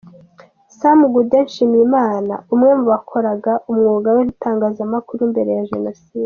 Sam Gaudin Nshimiyimana umwe mu bakoraga umwuga w'itangazamakuru mbere ya Jenoside.